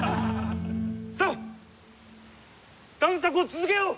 さあ探索を続けよう！